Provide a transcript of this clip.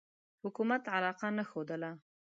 حکومت علاقه نه ښودله.